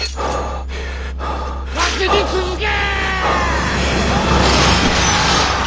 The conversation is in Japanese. わしに続け！